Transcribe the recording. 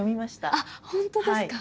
あっ本当ですか。